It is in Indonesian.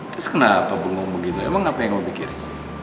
terus kenapa belum ngomong gitu emang apa yang lo pikirin